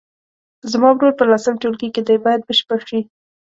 زما ورور په لسم ټولګي کې دی باید بشپړ شي.